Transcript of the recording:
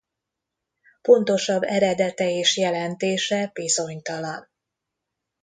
Pontosabb eredete és jelentése bizonytalan.